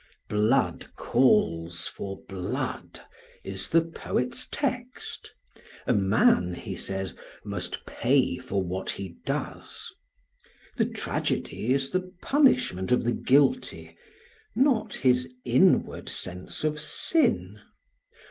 "Blood calls for blood," is the poet's text; a man, he says, must pay for what he does. The tragedy is the punishment of the guilty, not his inward sense of sin.